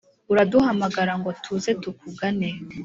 uraduhamagara ngo tuze tukugana.